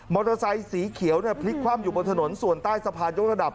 มอเตอร์ไซต์สีเขียวพลิกความอยู่บนถนนส่วนใต้สะพานยกระดับ